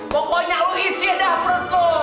pokoknya lu isi dah betul